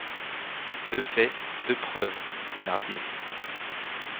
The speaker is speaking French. Deux faits, deux preuves, fit Thénardier.